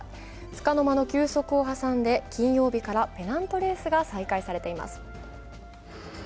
つかの間の休息を挟んで金曜日からペナントレースが再開されています。